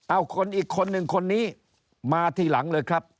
เอาคนอีกคนหนึ่งคนนี้มาทีหลังเลยครับ